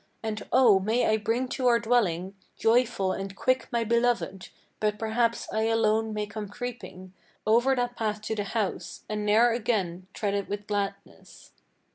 And oh, may I bring to our dwelling, Joyful and quick my beloved! but perhaps I alone may come creeping Over that path to the house, and ne'er again tread it with gladness."